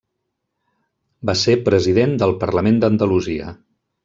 Va ser president del Parlament d'Andalusia.